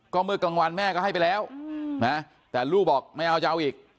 ก็เมื่อกลางวันแม่ก็ให้ไปแล้วนะแต่ลูกบอกไม่เอาจะเอาอีก